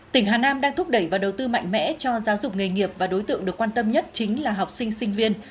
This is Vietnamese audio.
tỉnh hà nam đang thúc đẩy và đầu tư mạnh mẽ cho giáo dục nghề nghiệp và đối tượng được quan tâm nhất chính là học sinh sinh viên